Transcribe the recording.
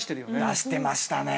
出してましたね。